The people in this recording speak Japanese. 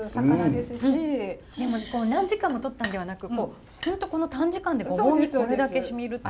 でも何時間も取ったんではなく本当この短時間でごぼうにこれだけ染みるって。